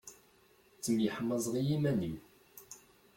Ttemyeḥmaẓeɣ i yiman-iw.